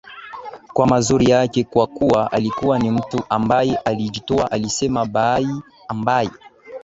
kwa mazuri yake kwa kuwa alikuwa ni mtu ambaye alijitoa alisema Bayi ambaye